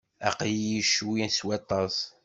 Aql-iyi ccwi s waṭas.